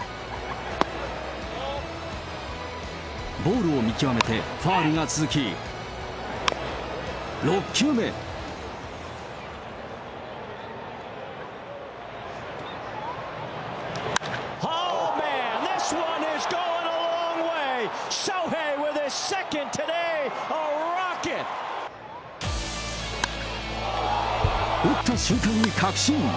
ボールを見極めてファウルが続き、６球目。打った瞬間に確信。